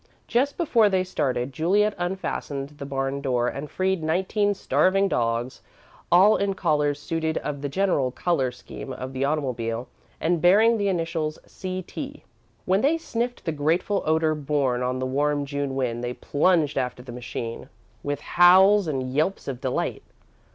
Just before they started, Juliet unfastened the barn door and freed nineteen starving dogs, all in collars suited to the general colour scheme of the automobile, and bearing the initials: "C. T." When they sniffed the grateful odour borne on the warm June wind, they plunged after the machine with howls and yelps of delight.